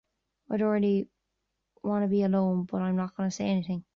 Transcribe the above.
I don't really wanna be alone, but I'm not gonna say anything.